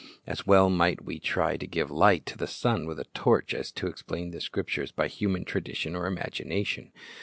As well might we try to give light to the sun with a torch as to explain the Scriptures by human tradition or imagination.